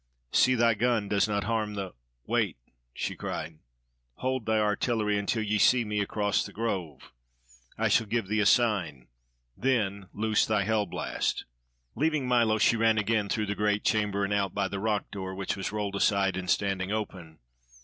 See thy gun does not harm the Wait," she cried, "hold thy artillery until ye see me across the Grove! I shall give thee a sign, then loose thy hell blast." Leaving Milo, she ran again through the great chamber and out by the rock door, which was rolled aside and standing open.